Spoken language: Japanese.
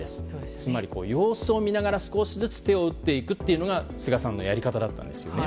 つまり、様子を見ながら少しずつ手を打っていくというのが菅さんのやり方だったんですよね。